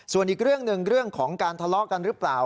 ส่วนอีกเรื่องหนึ่งเรื่องของการทะเลาะกันหรือเปล่า